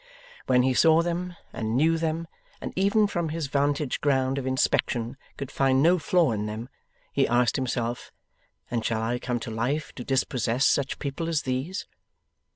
When he saw them, and knew them, and even from his vantage ground of inspection could find no flaw in them, he asked himself, 'And shall I come to life to dispossess such people as these?